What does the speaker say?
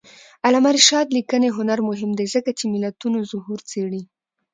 د علامه رشاد لیکنی هنر مهم دی ځکه چې ملتونو ظهور څېړي.